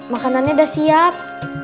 makanannya udah siap